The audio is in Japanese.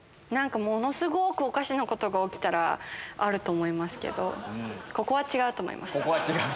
ものすごくおかしなことが起きたらあると思いますけどここは違うと思います。